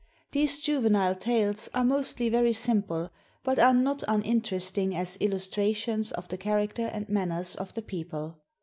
These juvenile tales are mostly very simple, but are not uninteresting as illustrations of the character and manners of the people.